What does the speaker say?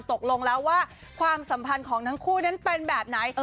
ตกลงแล้วว่าความสัมพันธ์ของทั้งคู่นั้นเป็นแบบไหน